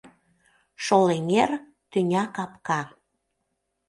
Шолэҥер — тӱня капка.